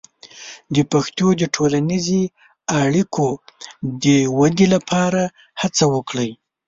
د پښتو د ټولنیزې اړیکو د ودې لپاره هڅه وکړئ.